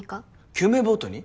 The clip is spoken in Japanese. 救命ボートに？